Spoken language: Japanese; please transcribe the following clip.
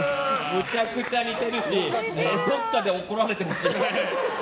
むちゃくちゃ似てるしどこかで怒られてほしい。